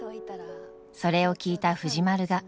それを聞いた藤丸が。